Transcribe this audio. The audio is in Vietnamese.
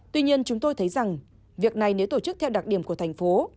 tuy nhiên chúng tôi thấy rằng việc này nếu tổ chức theo đặc điểm của thành phố